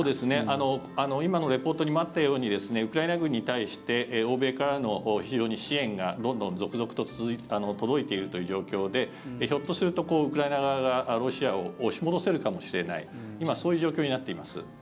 今のリポートにもあったようにウクライナ軍に対して欧米からの支援がどんどん続々と届いているという状況でひょっとするとウクライナ側がロシアを押し戻せるかもしれない今、そういう状況になっています。